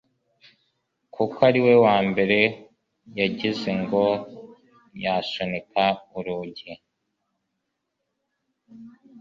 kuko ari we warimbere yagize ngo yasunika urugi